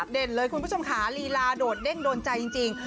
เลยคุณผู้ชมค่ะลีลาโดดเด้งโดนใจจริง